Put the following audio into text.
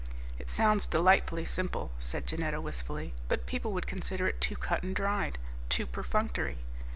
"It sounds delightfully simple," said Janetta wistfully, "but people would consider it too cut and dried, too perfunctory."